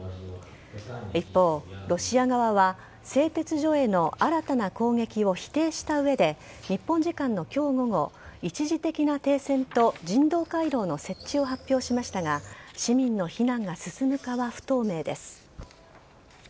一方、ロシア側は製鉄所への新たな攻撃を否定した上で日本時間の今日午後一時的な停戦と人道回廊の設置を発表しましたが市民の避難が進むかは不透明です。